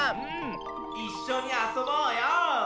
いっしょにあそぼうよ！